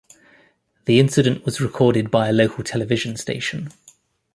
The incident was recorded by a local television station.